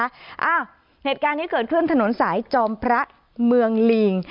อ้าวเหตุการณ์นี้เกิดขึ้นถนนสายจอมพระเมืองลิง